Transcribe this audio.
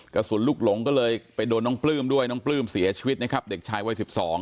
กระสุนลูกหลงก็เลยไปโดนน้องปลื้มด้วยน้องปลื้มเสียชีวิตนะครับเด็กชายวัย๑๒